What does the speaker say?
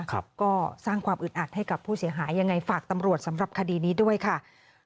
ก็สร้างความอึดอัดให้กับผู้เสียหายยังไงฝากตำรวจสำหรับคดีนี้ด้วยค่ะ